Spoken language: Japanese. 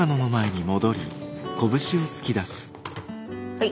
はい。